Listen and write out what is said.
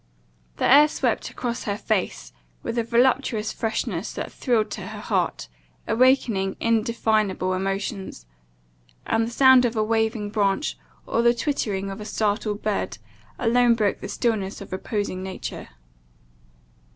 The air swept across her face with a voluptuous freshness that thrilled to her heart, awakening indefinable emotions; and the sound of a waving branch, or the twittering of a startled bird, alone broke the stillness of reposing nature.